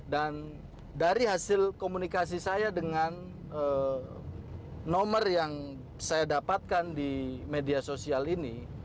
dan dari hasil komunikasi saya dengan nomer yang saya dapatkan di media sosial ini